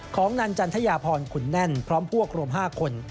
ของนางจันทยาพรขุนแน่นพร้อมพวกรวม๕คน